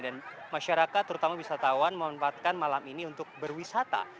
dan masyarakat terutama wisatawan memanfaatkan malam ini untuk berwisata